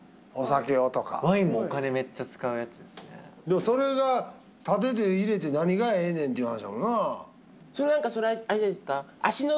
でもそれが縦で入れて何がええねんっていう話やもんな。